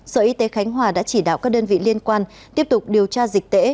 sở y tế khánh hòa đã chỉ đạo các đơn vị liên quan tiếp tục điều tra dịch tễ